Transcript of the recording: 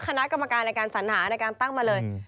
คณะกรรมการในการสัญหาในการตั้งมาเลย